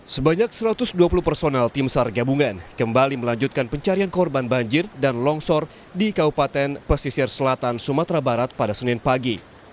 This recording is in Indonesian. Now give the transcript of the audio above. sebanyak satu ratus dua puluh personel tim sar gabungan kembali melanjutkan pencarian korban banjir dan longsor di kabupaten pesisir selatan sumatera barat pada senin pagi